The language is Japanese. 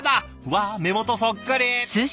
わあ目元そっくり。